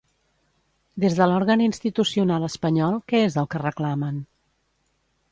Des de l'òrgan institucional espanyol, què és el que reclamen?